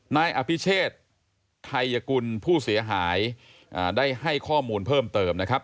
นายอภิเชษไทยกุลผู้เสียหายได้ให้ข้อมูลเพิ่มเติมนะครับ